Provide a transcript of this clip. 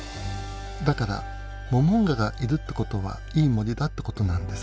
だからモモンガがいるってことはいい森だってことなんです。